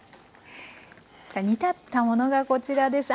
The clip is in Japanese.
煮立ったものがこちらです。